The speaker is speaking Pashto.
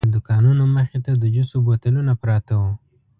د دوکانونو مخې ته د جوسو بوتلونه پراته وو.